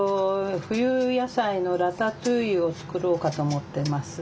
冬野菜のラタトゥイユを作ろうかと思ってます。